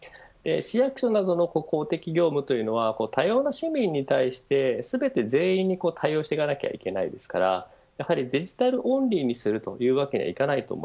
市役所などの公的業務というのは多様な市民に対して全て全員に対応していかないといけないですからデジタルオンリーにするというわけにはいきません。